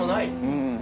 うん。